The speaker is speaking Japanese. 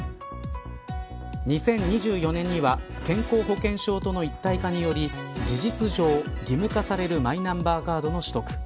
２０２４年には健康保険証との一体化により事実上義務化されるマイナンバーカードの取得。